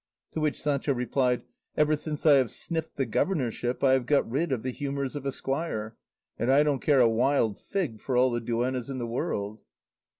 To which Sancho replied, "Ever since I have sniffed the governorship I have got rid of the humours of a squire, and I don't care a wild fig for all the duennas in the world."